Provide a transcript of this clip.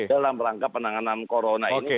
dalam rangka penanganan corona ini